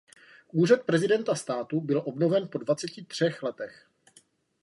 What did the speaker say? Úřad prezidenta státu byl obnoven po dvaceti třech letech.